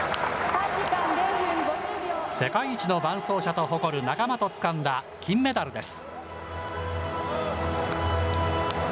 世界一の伴走者と誇る仲間とつかんだ金メダルです。